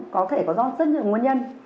có thể có rất nhiều nguyên nhân